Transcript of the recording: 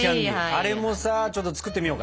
あれもさちょっと作ってみようか！